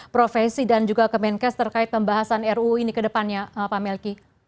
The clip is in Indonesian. profesi dan juga kemenkes terkait pembahasan ruu ini ke depannya pak melki